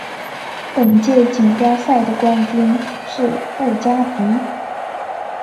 本届锦标赛的冠军是布加迪。